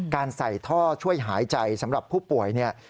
การใส่ท่อช่วยหายใจสำหรับผู้ป่วย